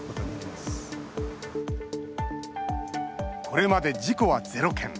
これまで事故は０件。